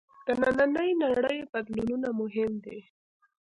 د نننۍ نړۍ بدلونونه مهم دي.